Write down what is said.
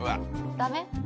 ダメ？